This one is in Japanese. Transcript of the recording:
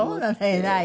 偉い。